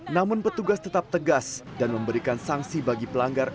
namun petugas tetap tegas dan memberikan sanksi bagi pelanggar